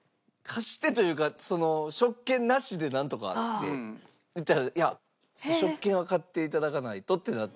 貸してというかその「食券なしでなんとか」って言ったら「食券は買っていただかないと」ってなって。